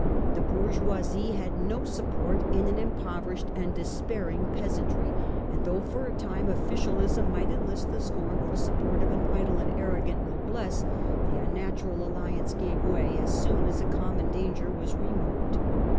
The bourgeoisie had no support in an impo verished and despairing peasantry, and though for a time officialism might enlist the scornful support of an idle and arrogant noblesse , the unnatural alliance gave way as soon as a common danger was removed.